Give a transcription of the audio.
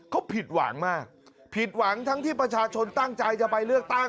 เขาผิดหวังมากผิดหวังทั้งที่ประชาชนตั้งใจจะไปเลือกตั้ง